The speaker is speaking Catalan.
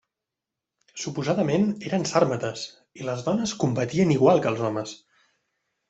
Suposadament eren sàrmates i les dones combatien igual que els homes.